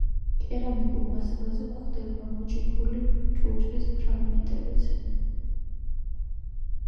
კერამიკულ მასალაზე გვხვდება მოჭიქული ჭურჭლის ფრაგმენტებიც.